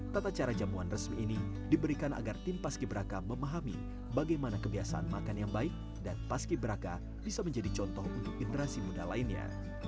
tata cara jamuan resmi ini diberikan agar tim paski beraka memahami bagaimana kebiasaan makan yang baik dan paski braka bisa menjadi contoh untuk generasi muda lainnya